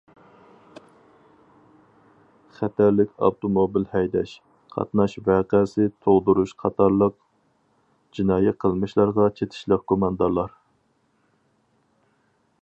خەتەرلىك ئاپتوموبىل ھەيدەش، قاتناش ۋەقەسى تۇغدۇرۇش قاتارلىق جىنايى قىلمىشلارغا چېتىشلىق گۇماندارلار.